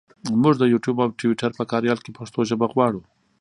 مونږ د یوټوپ او ټویټر په کاریال کې پښتو ژبه غواړو.